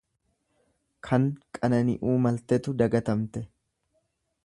Kan qanani'uu maltetu dagatamte.